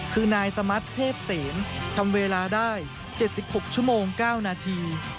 คือนายสมัติเทพเสมทำเวลาได้๗๖ชั่วโมง๙นาที